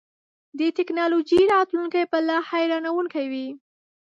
د ټیکنالوژۍ راتلونکی به لا حیرانوونکی وي.